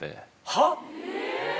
はっ？